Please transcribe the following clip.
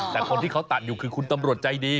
แต่คนที่เขาตัดอยู่คือคุณตำรวจใจดี